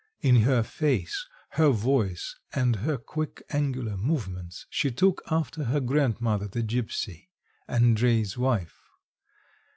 In her face, her voice, and her quick angular movements, she took after her grandmother, the gipsy, Andrei's wife.